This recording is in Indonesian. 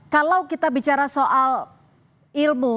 kalau kita bicara soal ilmu